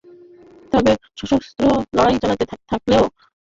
তবে সশস্ত্র লড়াই চালাতে থাকলেও এনএসসিএনের সঙ্গে ভারত সরকারের আলোচনা চলছিলই।